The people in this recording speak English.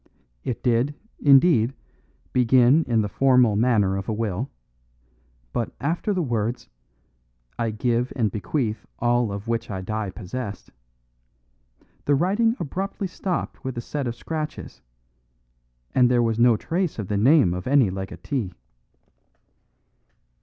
It did, indeed, begin in the formal manner of a will, but after the words "I give and bequeath all of which I die possessed" the writing abruptly stopped with a set of scratches, and there was no trace of the name of any legatee.